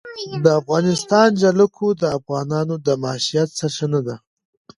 د افغانستان جلکو د افغانانو د معیشت سرچینه ده.